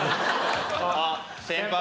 あっ先輩。